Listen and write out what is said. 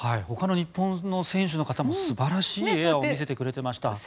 他の日本の選手の方も素晴らしいエアを見せてくれていました。